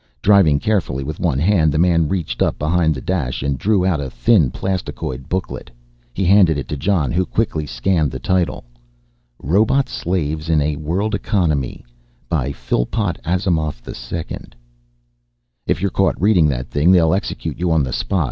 Driving carefully with one hand the man reached up behind the dash and drew out a thin, plastikoid booklet. He handed it to Jon who quickly scanned the title, Robot Slaves in a World Economy by Philpott Asimov II. "If you're caught reading that thing they'll execute you on the spot.